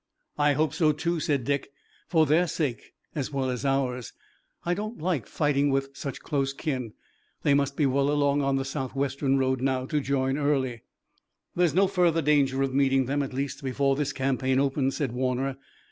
"I hope so too," said Dick, "for their sake as well as ours. I don't like fighting with such close kin. They must be well along on the southwestern road now to join Early." "There's no further danger of meeting them, at least before this campaign opens," said Warner.